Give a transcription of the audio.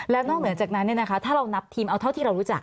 แล้วนอกเหนือจากนั้นถ้าเรานับทีมเอาเท่าที่เรารู้จัก